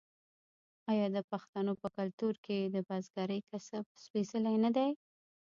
آیا د پښتنو په کلتور کې د بزګرۍ کسب سپیڅلی نه دی؟